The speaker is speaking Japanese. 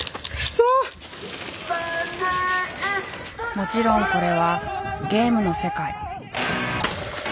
もちろんこれはゲームの世界。